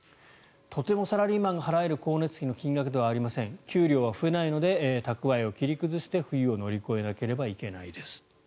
とてもサラリーマンが払える光熱費の金額ではありません給料は増えないのでたくわえを切り崩して冬を乗り越えなければいけないです。